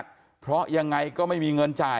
ความปลอดภัยของนายอภิรักษ์และครอบครัวด้วยซ้ำ